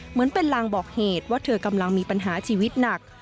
เหมือนเป็นลางบอกเหตุว่าเธอกำลังมีปัญหาชีวิตหนัก